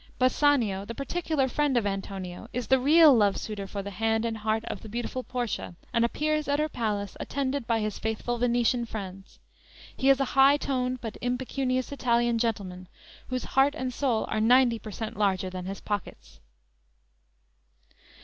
Bassanio, the particular friend of Antonio, is the real love suitor for the hand and heart of the beautiful Portia, and appears at her palace, attended by his faithful Venetian friends. He is a high toned, but impecunious Italian gentleman, whose heart and soul are ninety per cent. larger than his pockets.